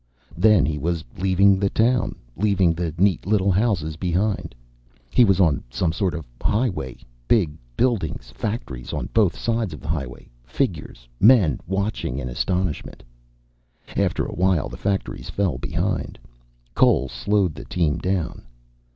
Then he was leaving the town, leaving the neat little houses behind. He was on some sort of highway. Big buildings, factories, on both sides of the highway. Figures, men watching in astonishment. After awhile the factories fell behind. Cole slowed the team down.